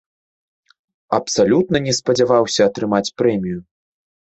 Абсалютна не спадзяваўся атрымаць прэмію.